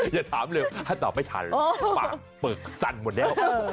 อย่าถามเลยถ้าตอบไม่ทันปากเปลือกสั่นหมดแล้ว